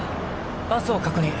バスを確認